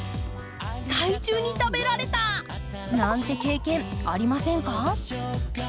害虫に食べられた！なんて経験ありませんか？